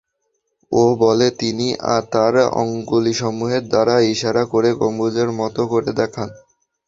এ বলে তিনি তার অঙ্গুলিসমূহের দ্বারা ইশারা করে গম্বুজের মত করে দেখান।